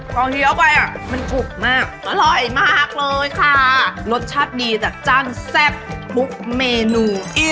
พอเคี้ยวไปอ่ะมันกรุบมากอร่อยมากเลยค่ะรสชาติดีจัดจ้านแซ่บทุกเมนู